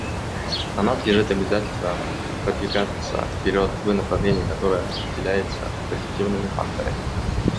На нас лежит обязательство продвигаться вперед в направлении, которое определяется позитивными факторами.